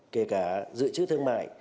kể cả dự trữ thương mại